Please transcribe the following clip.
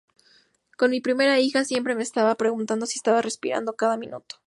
Con mi primera hija, siempre me estaba preguntando si estaba respirando, cada minuto.